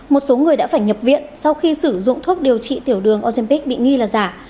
một số người đã phải nhập viện sau khi sử dụng thuốc điều trị tiểu đường ojempic bị nghi là giả